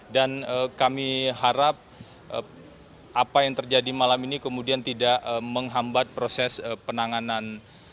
dan kami harap apa yang terjadi malam ini kemudian tidak menghambat proses penanganan